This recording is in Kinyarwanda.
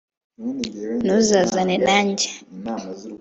ntuzazana nanjye?